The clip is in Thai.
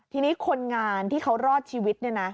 ทีนี้คนงานที่เขารอดชีวิต